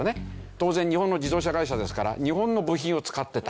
当然日本の自動車会社ですから日本の部品を使ってた。